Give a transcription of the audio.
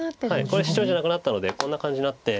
これシチョウじゃなくなったのでこんな感じになって。